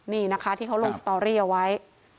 นี่นะคะที่เขาลงสตอรี่เอาไว้